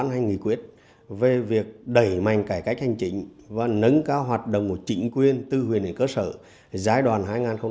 hành nghị quyết về việc đẩy mạnh cải cách hành chính và nâng cao hoạt động của trịnh quyền tư huyền hình cơ sở giai đoàn hai nghìn hai mươi một hai nghìn hai mươi năm